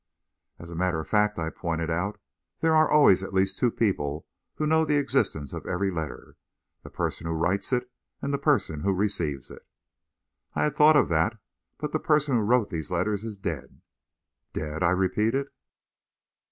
"As a matter of fact," I pointed out, "there are always at least two people who know of the existence of every letter the person who writes it and the person who receives it." "I had thought of that, but the person who wrote these letters is dead." "Dead?" I repeated.